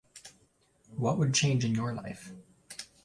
What would change in your life?